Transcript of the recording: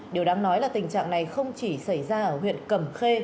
điều đáng nói là tình trạng này không chỉ xảy ra ở huyện cẩm khê